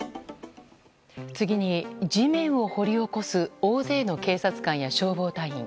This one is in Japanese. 次に、地面を掘り起こす大勢の警察官や消防隊員。